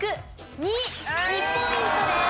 ２ポイントです。